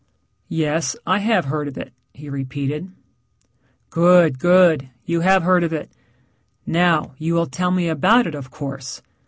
"Yes. I have heard of it," he repeated. "Good, good. You have heard of it. Now, you will tell me about it, of course.